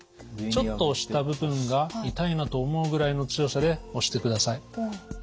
ちょっと押した部分が痛いなと思うぐらいの強さで押してください。